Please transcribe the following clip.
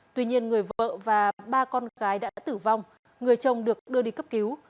tuy nhiên người vợ và ba con gái đã tử vong người chồng được đưa đi cấp cứu